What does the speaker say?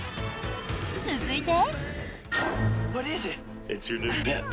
続いて。